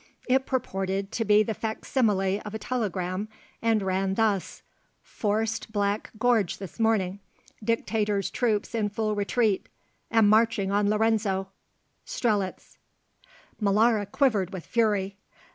It purported to be the facsimile of a telegram and ran thus: Forced Black Gorge this morning. Dictator's troops in full retreat. Am marching on Lorenzo. Strelitz. Molara quivered with fury.